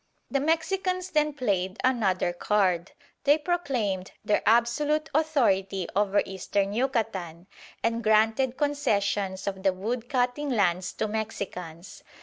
The Mexicans then played another card. They proclaimed their absolute authority over Eastern Yucatan, and granted concessions of the wood cutting lands to Mexicans.